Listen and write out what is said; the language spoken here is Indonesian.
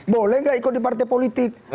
boleh nggak ikut di partai politik